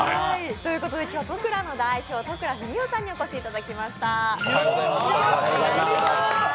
今日はとくらの代表、戸倉章男さんにお越しいただきました。